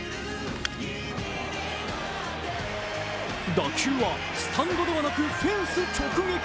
打球はスタンドではなくフェンス直撃！